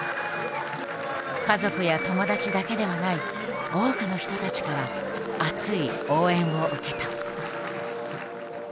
家族や友達だけではない多くの人たちから熱い応援を受けた。